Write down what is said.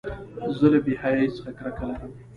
زه له بېحیایۍ څخه کرکه لرم.